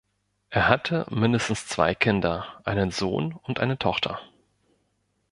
Er hatte mindestens zwei Kinder, einen Sohn und eine Tochter.